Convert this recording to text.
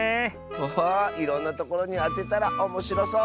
ハハーいろんなところにあてたらおもしろそう！